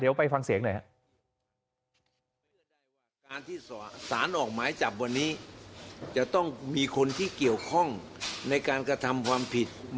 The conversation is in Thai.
เดี๋ยวไปฟังเสียงหน่อยครับ